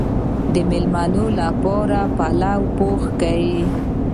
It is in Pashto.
د میلمنو لپاره پلو پخیږي.